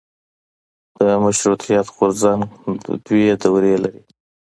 د مشروطیت غورځنګ دوه دورې لري.